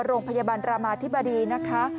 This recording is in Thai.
โรงพยาบาลรามาธิบดีนะคะ